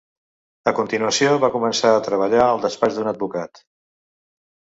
A continuació, va començar a treballar al despatx d'un advocat.